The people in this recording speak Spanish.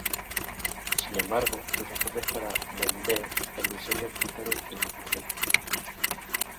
Sin embargo, sus esfuerzos para "vender" el diseño resultaron insuficientes.